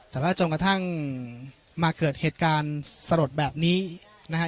แต่ว่าจนกระทั่งมาเกิดเหตุการณ์สลดแบบนี้นะครับ